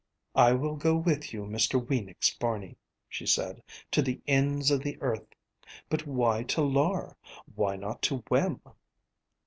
"I will go with you Mr. Weenix Barney," she said, "to the ends of the earth. But why to Lar? Why not to Wem?"